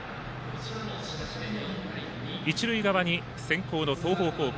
一塁側に先攻の東邦高校。